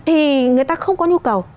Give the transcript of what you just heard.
thì người ta không có nhu cầu